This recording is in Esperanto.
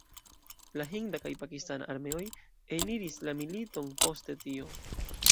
La hinda kaj pakistana armeoj eniris la militon poste tio.